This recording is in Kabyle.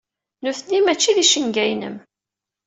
Nutni mačči d icenga-inem.